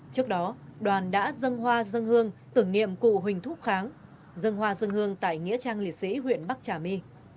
trước đó đoàn đã dân hoa dân hương tưởng niệm cụ huỳnh thúc kháng dân hoa dân hương tại nghĩa trang liệt sĩ huyện bắc trà my